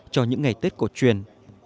cho những ngày tết cổ truyền